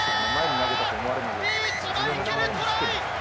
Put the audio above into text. リーチマイケル、トライ。